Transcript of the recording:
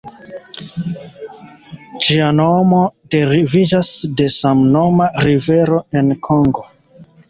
Ĝia nomo deriviĝas de samnoma rivero en Kongo.